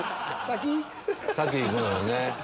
先行くのよね。